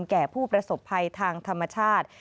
แก่ผู้ประสบภัยทางธรรมชาติ